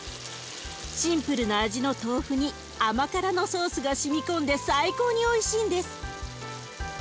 シンプルな味の豆腐に甘辛のソースがしみ込んで最高においしいんです。